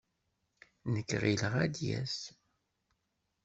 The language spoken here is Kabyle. Nekk ɣileɣ ad d-yas.